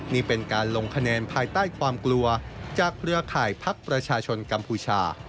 นี่เป็นการลงคะแนนภายใต้ความกลัวจากเครือข่ายพักประชาชนกัมพูชา